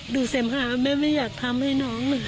เสมหาแม่ไม่อยากทำให้น้อง